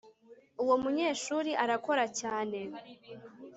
uwo munyeshuri arakora cyane